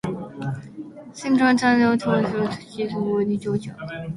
Clinton then took the lead in the primary season by winning Georgia.